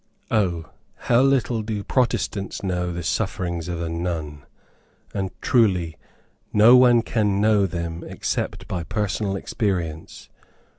O, how little do Protestants know the sufferings of a nun! and truly no one can know them except by personal experience.